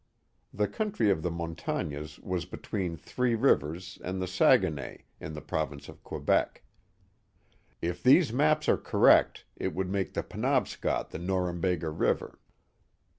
(The country of the Montagnes was between Three Rivers and the Saguenay, in the province of Quebec.) If these maps are correct, it would make the Penobscot the Norumbega River.